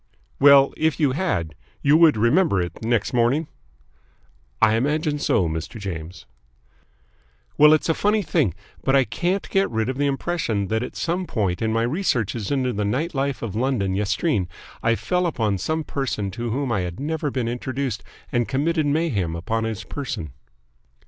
"Well, if you had, you would remember it next morning?" "I imagine so, Mr. James." "Well, it's a funny thing, but I can't get rid of the impression that at some point in my researches into the night life of London yestreen I fell upon some person to whom I had never been introduced and committed mayhem upon his person."